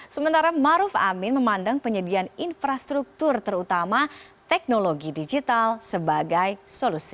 sementara maruf amin memandang penyediaan infrastruktur terutama teknologi digital sebagai solusi